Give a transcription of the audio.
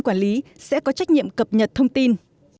cơ quan quản lý sẽ có trách nhiệm cập nhật thông tin